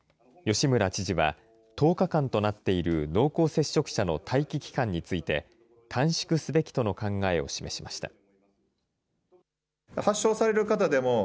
吉村知事は、１０日間となっている濃厚接触者の待機期間について、短縮すべきとの考えを示しました。